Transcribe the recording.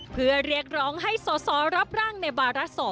เพื่อเรียกร้องให้สสรับร่างในวาระ๒